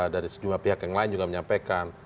dari sejumlah pihak yang lain juga menyampaikan